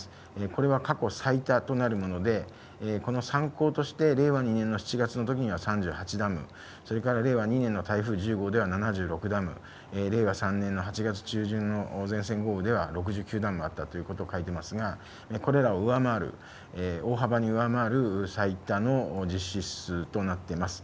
これは過去最多となるもので、この参考として令和２年の７月のときには３８ダム、それから令和２年の台風１０号では７６ダム、令和３年の８月中旬のあったということを書いてますが、これらを上回る大幅に上回る最多の実施数となっています。